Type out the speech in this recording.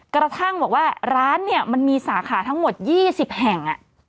กระทั่งบอกว่าร้านมีสาขาทั้งหมด๒๐แห่ง